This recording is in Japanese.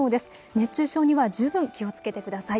熱中症には十分気をつけてください。